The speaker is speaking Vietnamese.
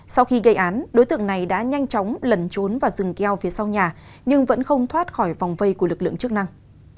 sau khi gây án đối tượng này đã nhanh chóng lẩn trốn và rừng keo phía sau nhà nhưng vẫn không thoát khỏi vòng vây của lực lượng chức năng